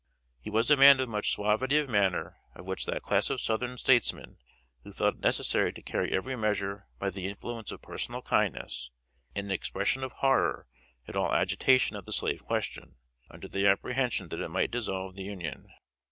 He was a man of much suavity of manner; one of that class of Southern statesmen who felt it necessary to carry every measure by the influence of personal kindness, and an expression of horror at all agitation of the slave question, under the apprehension that it might dissolve the Union.